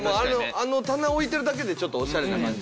あの棚置いてるだけでちょっとオシャレな感じ。